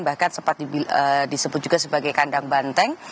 bahkan sempat disebut juga sebagai kandang banteng